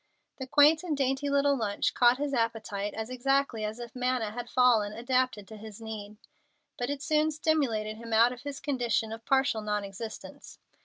The quaint and dainty little lunch caught his appetite as exactly as if manna had fallen adapted to his need; but it soon stimulated him out of his condition of partial non existence.